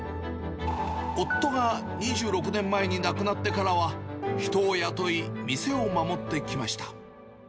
夫が２６年前に亡くなってからは、人を雇い、店を守ってきました。